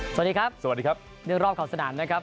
สวัสดีครับสวัสดีครับเรื่องรอบขอบสนามนะครับ